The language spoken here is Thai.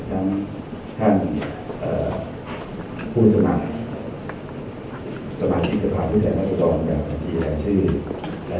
ทั้งท่านเอ่อผู้สมัยสมาชิกสภาพวิทยาลักษณ์พระสะดองกับบัญชีรายชื่อ